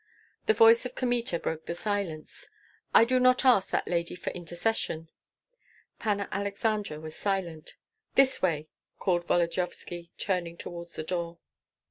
The voice of Kmita broke the silence "I do not ask that lady for intercession." Panna Aleksandra was silent. "This way!" called Volodyovski, turning toward the door.